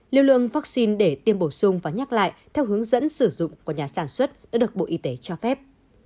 liêu lượng vaccine để tiêm bổ sung và nhắc lại theo hướng dẫn sử dụng của nhà sản xuất đã được bộ y tế cho phép